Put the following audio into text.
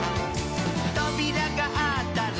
「とびらがあったら」